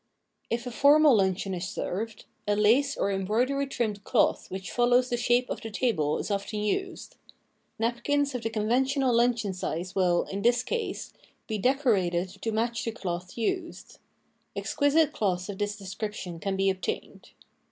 If a formal luncheon is served, a lace or em broidery trimmed cloth which follows the shape of the table is often used. Napkins of the conventional luncheon size will, in this case, be decorated to match the cloth used. Exquisite cloths of this description can be obtained.